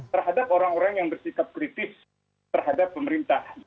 terhadap orang orang yang bersikap kritis terhadap pemerintahan